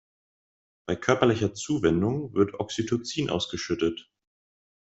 Bei körperlicher Zuwendung wird Oxytocin ausgeschüttet.